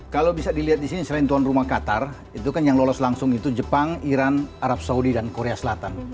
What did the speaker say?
kalau bisa dilihat di sini selain tuan rumah qatar itu kan yang lolos langsung itu jepang iran arab saudi dan korea selatan